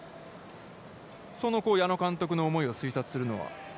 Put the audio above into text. その矢野監督の思いを推察するのは。